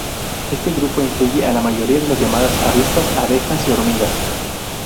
Este grupo incluye a la mayoría de las llamadas avispas, abejas y hormigas.